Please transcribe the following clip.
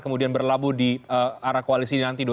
kemudian berlabuh di arah koalisi ini nanti dua ribu dua puluh empat